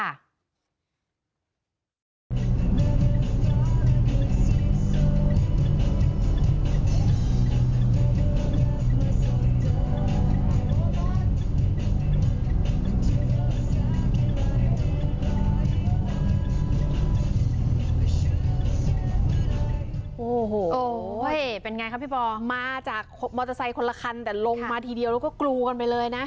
โอ้โหเป็นไงครับพี่ปอมาจากมอเตอร์ไซค์คนละคันแต่ลงมาทีเดียวแล้วก็กรูกันไปเลยนะ